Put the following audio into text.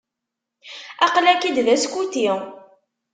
Aql-ak-id d askuti.